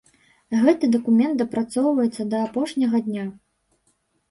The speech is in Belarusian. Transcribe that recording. Гэты дакумент дапрацоўваецца да апошняга дня.